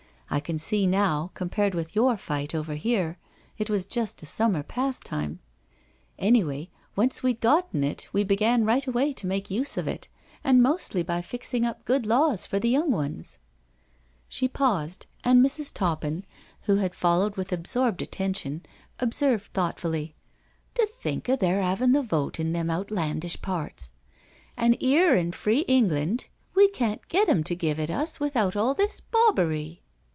I can see now, compared with your fight over here, it was just a summer pastime. Anyway, once we*d gotten it, we began right away to make use of it, and mostly by fixing up good laws for the young ones." She paused, and Mrs. Toppin, who had followed with absorbed attention, observed thoughtfully :" To think of their 'avin' the vote in them outlandish parts I An' 'ere in free England we can't get 'em to give it us without all this bobbery."